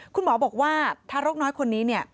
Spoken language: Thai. คุณหมอบอกว่าทารกน้อยคนนี้เนี่ย